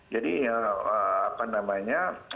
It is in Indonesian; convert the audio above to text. jadi apa namanya